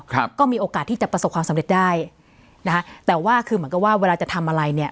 ครับก็มีโอกาสที่จะประสบความสำเร็จได้นะคะแต่ว่าคือเหมือนกับว่าเวลาจะทำอะไรเนี่ย